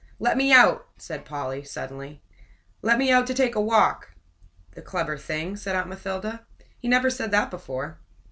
"Let me out!" said Polly, suddenly. "Let me out to take a walk!" "The clever thing!" said Aunt Mathilda. "He never said that before."